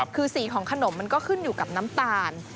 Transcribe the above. คือสีของขนมมันก็ขึ้นอยู่กับน้ำตาล